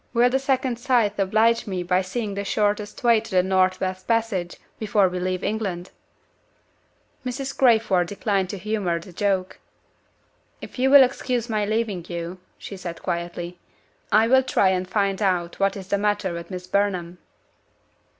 Will the Second Sight oblige me by seeing the shortest way to the Northwest Passage, before we leave England?" Mrs. Crayford declined to humor the joke. "If you will excuse my leaving you," she said quietly, "I will try and find out what is the matter with Miss Burnham."